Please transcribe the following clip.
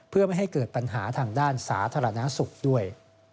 เพื่อไม่ให้เกิดปัญหาทางด้านสาธารณสุขด้วย